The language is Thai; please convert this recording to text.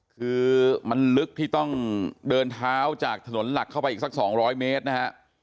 คือมันลึกที่ต้องเดินเท้าจากถนนหลักเข้าไปอีกสัก๒๐๐เมตรนะฮะ